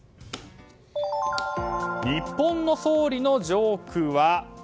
日本の総理のジョークは？